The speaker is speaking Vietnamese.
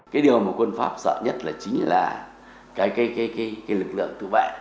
cái điều mà quân pháp sợ nhất là chính là cái lực lượng tự vệ